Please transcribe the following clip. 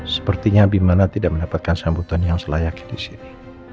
sepertinya bimana tidak mendapatkan sambutan yang selayak disini